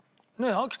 秋田